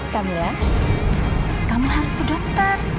kamil ya kamu harus ke dokter